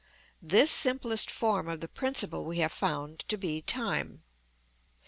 This simplest form of the principle we have found to be time.